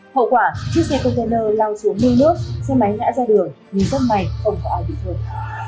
hậu quả chiếc xe container lao xuống nước nước xe máy ngã ra đường nhìn rất mạnh không có ai bị thương